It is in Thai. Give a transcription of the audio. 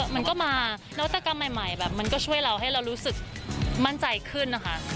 มันก็มานวัตกรรมใหม่แบบมันก็ช่วยเราให้เรารู้สึกมั่นใจขึ้นนะคะ